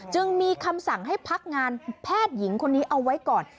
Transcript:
จึงมีคำสั่งให้พักงานแพทย์หญิงคนนี้เอาไว้ก่อน